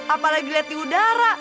apalagi liat di udara